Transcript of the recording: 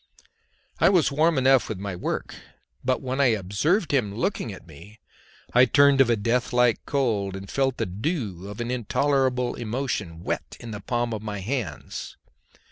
I was warm enough with my work, but when I observed him looking at me I turned of a death like cold, and felt the dew of an intolerable emotion wet in the palms of my hands.